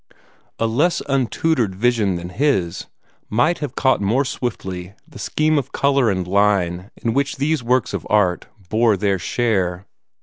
A less untutored vision than his would have caught more swiftly the scheme of color and line in which these works of art bore their share.